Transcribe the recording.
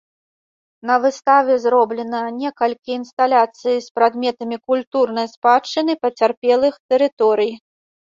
На выставе зроблена некалькі інсталяцый з прадметамі культурнай спадчыны пацярпелых тэрыторый.